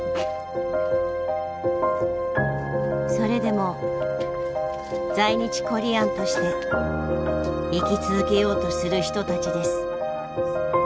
それでも在日コリアンとして生き続けようとする人たちです。